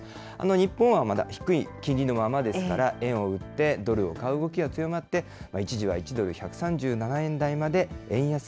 日本はまだ低い金利のままですから、円を売ってドルを買う動きが強まって、一時は１ドル１３７円